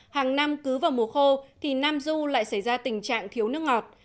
hàng năm cứ vào mùa khô thì nam du lại xảy ra tình trạng thiếu nước ngọt